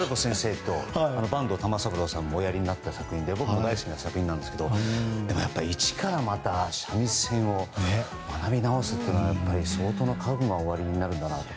坂東玉三郎さんもおやりになった作品で僕も大好きな作品なんですけどでもやっぱり一から三味線を学びなおすというのは相当な覚悟がおありなんだなと。